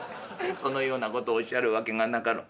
そのようなことをおっしゃるわけがなかろう。